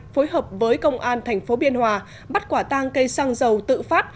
phối hợp với công an tp biên hòa bắt quả tang cây xăng dầu tự phát